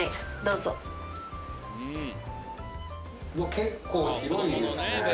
うわ結構広いですね。